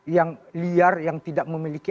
yang liar yang tidak memiliki